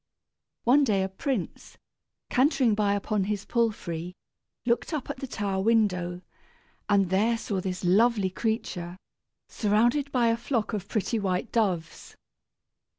One day a prince, cantering by upon his palfrey, looked up at the tower window, and there saw this lovely creature, surrounded by a flock of pretty white doves.